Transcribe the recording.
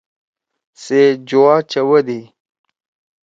شے جُوا چوَدی۔